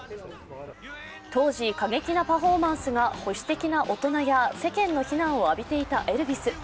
当時、過激なパフォーマンスが保守的な大人や世間の非難を浴びていたエルヴィス。